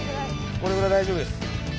これぐらい大丈夫です。